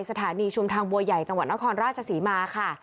สถานีชุมทางบัวใหญ่จังหวัดนครราชศรีมาค่ะ